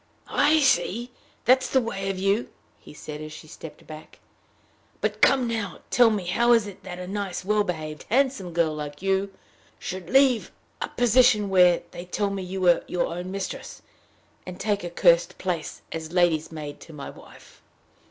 "I see! that's the way of you!" he said, as she stepped back. "But come now, tell me how it is that a nice, well behaved, handsome girl like you, should leave a position where, they tell me, you were your own mistress, and take a cursed place as lady's maid to my wife."